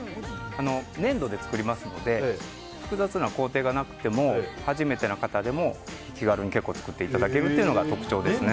粘土で作りますので複雑な工程がなくて初めての方でも気軽に作っていただけるというのが特徴です。